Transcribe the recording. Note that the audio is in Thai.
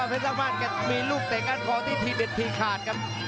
เพชรตั้งบ้านมีลูกเด็กกันพอที่ทีเด็กพี่ขาดครับ